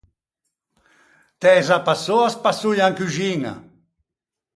T’æ za passou a spassoia in coxiña?